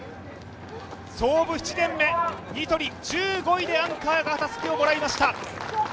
創部７年目、ニトリ１５位でアンカーがたすきをもらいました。